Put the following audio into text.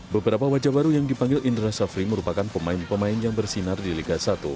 beberapa wajah baru yang dipanggil indra syafri merupakan pemain pemain yang bersinar di liga satu